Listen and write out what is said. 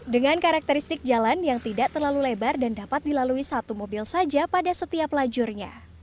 dengan karakteristik jalan yang tidak terlalu lebar dan dapat dilalui satu mobil saja pada setiap lajurnya